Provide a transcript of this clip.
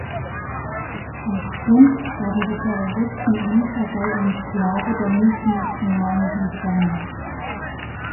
Als Grund gaben die Terroristen an, er sei ein "Sklave der multinationalen Konzerne".